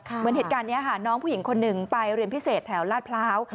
เหมือนเหตุการณ์นี้ค่ะน้องผู้หญิงคนหนึ่งไปเรียนพิเศษแถวลาดพร้าว